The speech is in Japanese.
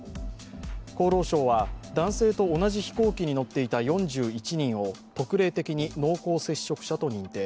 厚労省は男性と同じ飛行機に乗っていた４１人を特例的に濃厚接触者と認定。